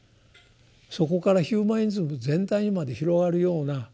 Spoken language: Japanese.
そこからヒューマニズム全体にまで広がるような